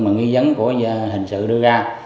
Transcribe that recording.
mà nghi dấn của hình sự đưa ra